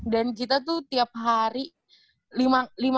dan kita tuh tiap hari